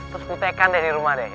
terus putekan deh di rumah deh ya